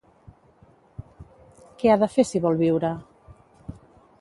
Què ha de fer si vol viure?